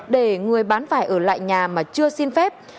để người bán phải ở lại nhà mà chưa xin phép